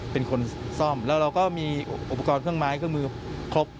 เป็นคนซ่อมแล้วเราก็มีอุปกรณ์เครื่องไม้เครื่องมือครบ